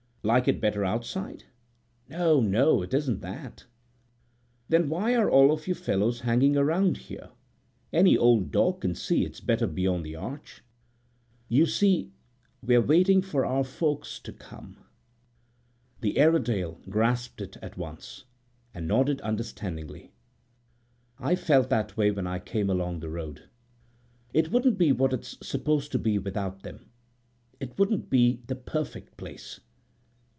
"Like it better outside?" "No, no; it isn't that." "Then why are all you fellows hanging around here? Any old dog can see it's better beyond the arch." "You see, we're waiting for our folks to come." The Airedale grasped it at once, and nodded understandingly. "I felt that way when I came along the road. It wouldn't be what it's supposed to be without them. It wouldn't be the perfect place."